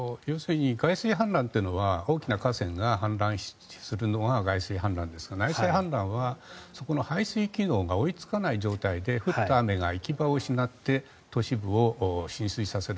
外水氾濫というのは大きな河川が氾濫するのが外水氾濫ですが内水氾濫はそこの排水機能が追いつかない状態で降った雨が行き場を失って都市部を浸水させる。